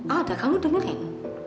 alda kamu dengerin